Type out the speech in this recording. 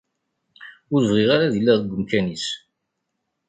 Ur bɣiɣ ara ad iliɣ deg umkan-is.